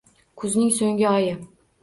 Kuzning so`nggi oyi